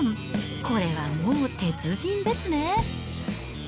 これはもう鉄人ですね。